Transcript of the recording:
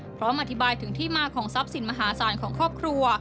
พร้อมอธิบายถึงที่มาของทรัพย์สินมหาศาลของครอบครัว